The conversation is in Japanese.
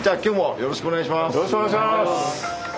よろしくお願いします！